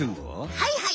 はいはい！